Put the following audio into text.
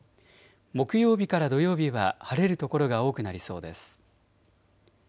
木曜日から土曜日は晴れる所が多くなりそうです。